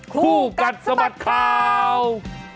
คู่กัดสมัตย์ข่าว